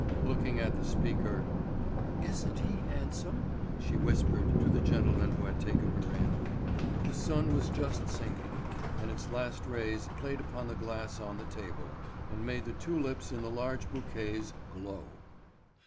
Looking at the speaker, "Isn't he handsome?" she whispered to the gentleman who had taken her in. The sun was just sinking, and its last rays played upon the glass on the table, and made the tulips in the large bouquets glow.